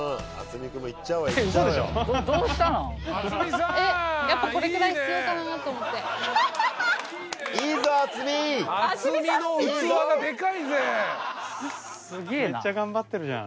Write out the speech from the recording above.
めっちゃ頑張ってるじゃん。